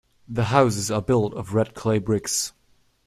The houses are built of red clay bricks.